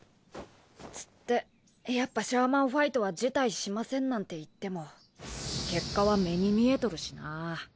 つってやっぱシャーマンファイトは辞退しませんなんて言っても結果は目に見えとるしな。